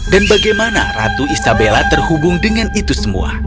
dan bagaimana ratu isabella terhubung dengan itu semua